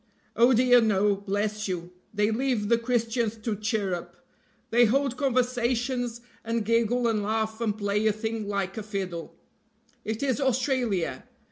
Oh, dear, no, bless you, they leave the Christians to chirrup they hold conversations and giggle and laugh and play a thing like a fiddle it is Australia!